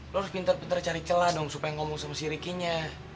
lo harus pintar pintar cari celah dong supaya ngomong sama si ricky nya